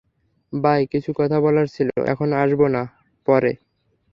By, কিছু কথা বলার ছিলো, এখন আসবো না পড়ে?